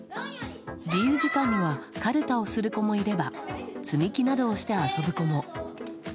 自由時間はかるたをする子もいれば積み木などをして遊ぶ子も。